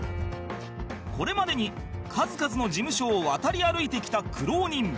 これまでに数々の事務所を渡り歩いてきた苦労人